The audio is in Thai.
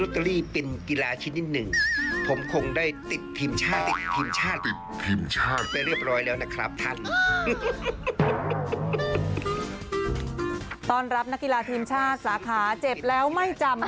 ต้อนรับกีฬาทีมชาติสาขาเจ็บแล้วไม่จำ